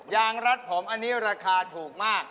งรัดผมอันนี้ราคาถูกมาก